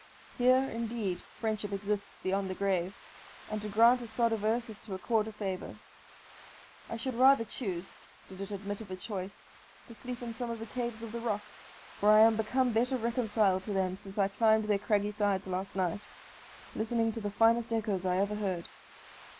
Here, indeed, friendship extends beyond the grave, and to grant a sod of earth is to accord a favour. I should rather choose, did it admit of a choice, to sleep in some of the caves of the rocks, for I am become better reconciled to them since I climbed their craggy sides last night, listening to the finest echoes I ever heard.